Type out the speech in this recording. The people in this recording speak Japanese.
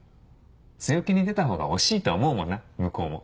強気に出たほうが惜しいと思うもんな向こうも。